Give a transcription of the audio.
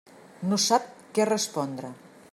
No sap què respondre.